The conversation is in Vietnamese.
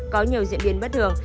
có nhiều diễn biến bất thường